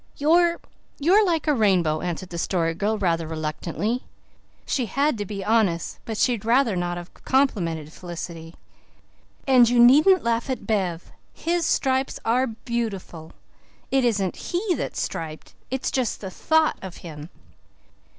"You're you're like a rainbow," answered the Story Girl rather reluctantly. She had to be honest, but she would rather not have complimented Felicity. "And you needn't laugh at Bev. His stripes are beautiful. It isn't HE that is striped. It's just the THOUGHT of him.